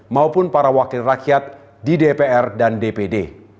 maupun para wakil rakyat di dpr dan dpd